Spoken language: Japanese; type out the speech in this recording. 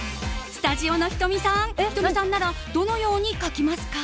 スタジオの仁美さん仁美さんならどのように書きますか？